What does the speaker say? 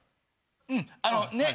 うんあのね。